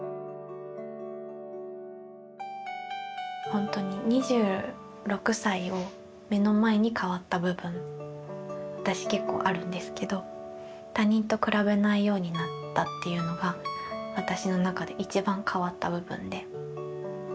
ほんとに２６歳を目の前に変わった部分私結構あるんですけど他人と比べないようになったっていうのが私の中で一番変わった部分で。